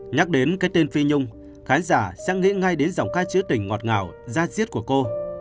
nhắc đến cái tên phi nhung khán giả sẽ nghĩ ngay đến giọng ca chữ tình ngọt ngào da diết của cô